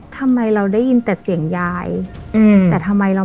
ทำไมเราได้ยินแต่เสียงยาย